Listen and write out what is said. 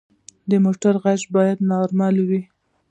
د موټر غږ باید نارمل وي.